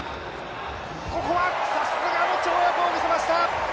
ここはさすがの跳躍を見せました！